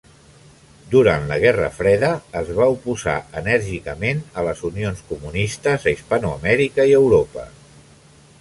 Durant la Guerra Freda es va oposar enèrgicament a les unions comunistes a Hispanoamèrica i Europa.